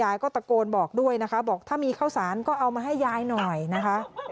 มีแต่ลูกมันทำให้กินหุงข้าวแตกน้ำไฟให้อาบ